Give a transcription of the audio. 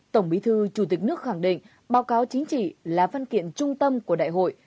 tổng bí thư chủ tịch nước khẳng định báo cáo chính trị là văn kiện trung tâm của đại hội